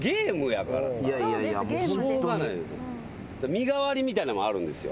身代わりみたいなんもあるんですよ。